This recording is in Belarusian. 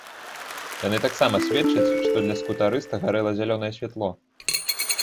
Яны таксама сведчаць, што для скутарыста гарэла зялёнае святло.